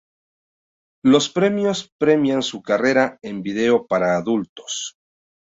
Los premios premian su carrera en vídeo para adultos.